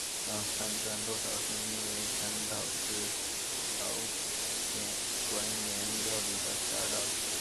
按饭馔多少分为三道至朝鲜宫廷料理的十二道。